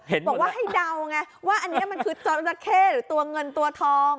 บอกว่าให้เดาไงว่าอันนี้มันคือจราเข้หรือตัวเงินตัวทอง